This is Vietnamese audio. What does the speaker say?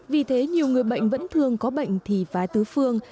vì thế nhiều người bệnh vẫn thường có bệnh thị phái tứ phương